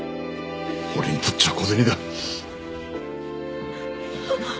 俺にとっちゃ小銭だ。